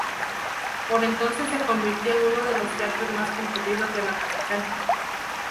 Por entonces se convirtió en uno de los teatros más concurridos de la capital.